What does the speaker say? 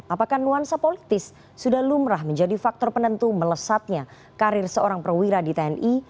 apakah nuansa politis sudah lumrah menjadi faktor penentu melesatnya karir seorang perwira di tni